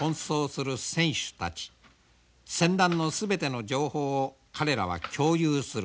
船団の全ての情報を彼らは共有する。